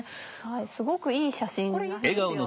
すごくいい写真なんですよね。